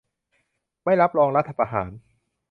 ไม่รับรองรัฐประหาร